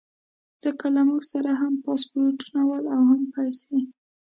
ځکه له موږ سره هم پاسپورټونه ول او هم پیسې.